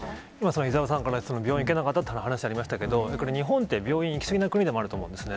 伊沢さんから、病院に行けなかったって話ありましたけど、だから、日本って病院行き過ぎな国でもあると思うんですね。